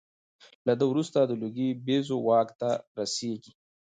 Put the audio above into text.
له ده وروسته د لوګي بیزو واک ته رسېږي.